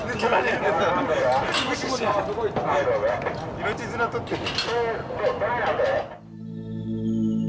命綱取ってる。